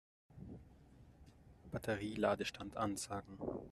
Batterie-Ladestand ansagen.